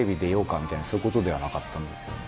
みたいなそういう事ではなかったんですよ。